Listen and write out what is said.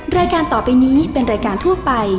รายการต่อไปนี้เป็นรายการทั่วไป